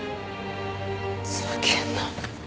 ふざけんな。